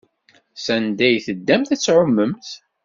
Sanda ay teddamt ad tɛumemt?